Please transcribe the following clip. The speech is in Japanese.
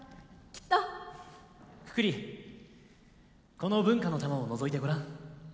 この文化の玉をのぞいてごらん。